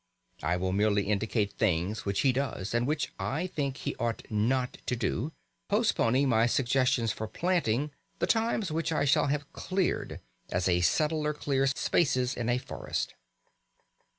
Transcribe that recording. I will merely indicate things which he does and which I think he ought not to do, postponing my suggestions for "planting" the times which I shall have cleared as a settler clears spaces in a forest.